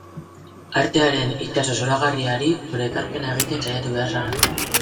Artearen itsaso zoragarriari zure ekarpena egiten saiatu behar zara.